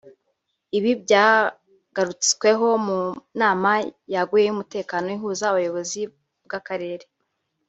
Ibi byagarutsweho mu nama yaguye y’umutekano ihuza ubuyobozi bw’Akarere